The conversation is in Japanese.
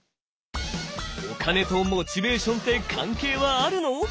お金とモチベーションって関係はあるの？